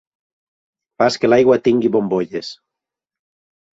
Fas que l'aigua tingui bombolles.